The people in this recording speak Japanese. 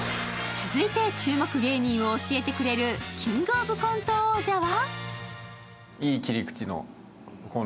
続いて注目芸人を教えてくれるキングオブコント王者は？